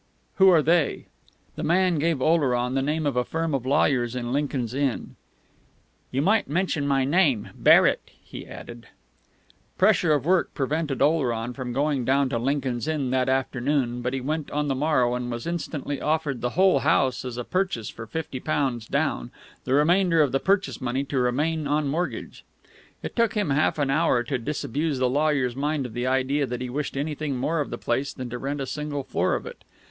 "Who are they?" The man gave Oleron the name of a firm of lawyers in Lincoln's Inn. "You might mention my name Barrett," he added. Pressure of work prevented Oleron from going down to Lincoln's Inn that afternoon, but he went on the morrow, and was instantly offered the whole house as a purchase for fifty pounds down, the remainder of the purchase money to remain on mortgage. It took him half an hour to disabuse the lawyer's mind of the idea that he wished anything more of the place than to rent a single floor of it.